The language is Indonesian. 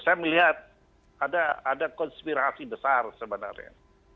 saya melihat ada konspirasi besar sebenarnya